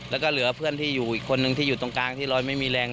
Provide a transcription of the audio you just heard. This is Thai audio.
แล้วก็เหลือเพื่อนที่อยู่อีกคนนึงที่อยู่ตรงกลางที่รอยไม่มีแรง